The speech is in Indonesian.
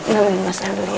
namin masnya dulu ya